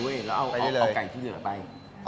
เราเอาไก่ที่เหลือไป